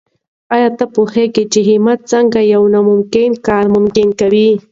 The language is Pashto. آیا ته پوهېږې چې همت څنګه یو ناممکن کار ممکن کوي؟